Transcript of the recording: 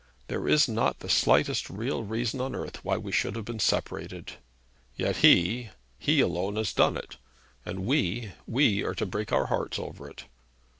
There is not the slightest real reason on earth why we should have been separated. Yet he, he alone has done it; and we, we are to break our hearts over it!